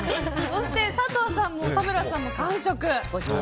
そして佐藤さんも田村さんも完食。